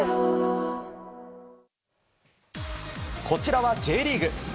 こちらはＪリーグ。